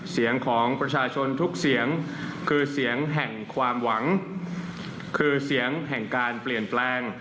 เสียงของประชาชนทุกเสียงคือเสียงแห่งความหวังคือเสียงแห่งการเปลี่ยนแปลง